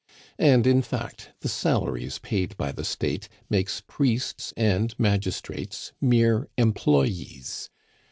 And, in fact, the salaries paid by the State makes priests and magistrates mere employes.